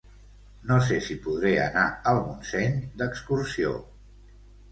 No sé si podré anar al Montseny d'excursió.